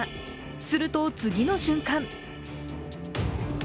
すると、次の瞬間。